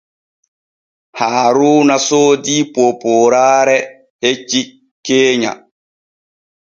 Haaruuna soodii poopooraare hecce keenya.